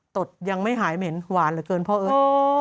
ดยังไม่หายเหม็นหวานเหลือเกินพ่อเอิญ